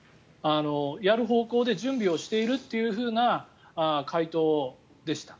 やる方向で準備をしているという回答でした。